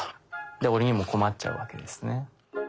鬼も困っちゃうわけですね。